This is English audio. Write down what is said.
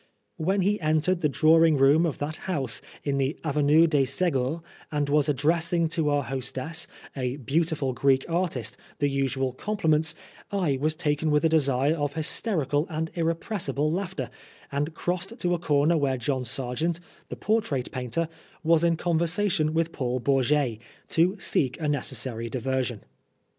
When he entered the drawing room of that house in the Avenue de Segur and was addressing to our hostess, a beautiful Greek artist, the usual compliments, I was taken with a desire of hysterical and irrepressible laughter, and crossed to a corner where John Sargent, the portrait painter, was in conversation with Paul Bourget, to seek a necessary diversion.